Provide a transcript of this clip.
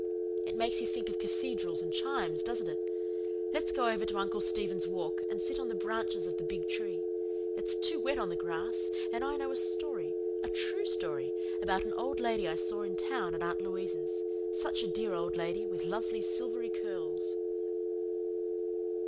"It makes you think of cathedrals and chimes, doesn't it? Let's go over to Uncle Stephen's Walk, and sit on the branches of the big tree. It's too wet on the grass, and I know a story a TRUE story, about an old lady I saw in town at Aunt Louisa's. Such a dear old lady, with lovely silvery curls."